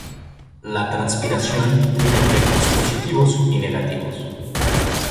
La transpiración tiene efectos positivos y negativos.